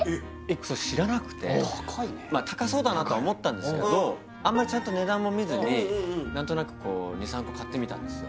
それ知らなくて高いね高そうだなとは思ったんですけどあんまりちゃんと何となくこう２３個買ってみたんですよ